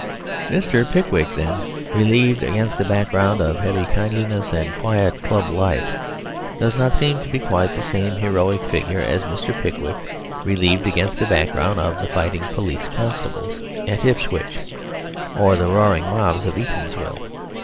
Mr. Pickwick, then, relieved against a background of heavy kindliness and quiet club life does not seem to be quite the same heroic figure as Mr. Pickwick relieved against a background of the fighting police constables at Ipswich or the roaring mobs of Eatanswill.